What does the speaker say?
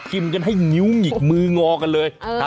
กินกันให้งิ้วหงิกมืองอกันเลย